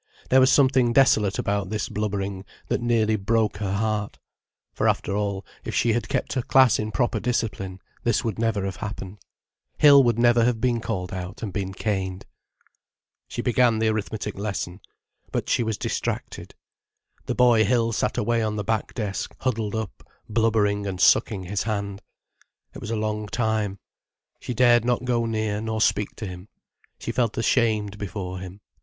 There was something desolate about this blubbering that nearly broke her heart. For after all, if she had kept her class in proper discipline, this would never have happened, Hill would never have called out and been caned. She began the arithmetic lesson. But she was distracted. The boy Hill sat away on the back desk, huddled up, blubbering and sucking his hand. It was a long time. She dared not go near, nor speak to him. She felt ashamed before him.